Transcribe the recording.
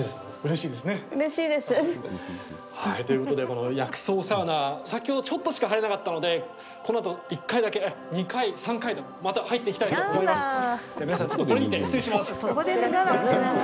うれしいです。ということで薬草サウナ先ほど、ちょっとしか入らなかったのでこのあと１回だけ２回、３回また入ってきたいと思います。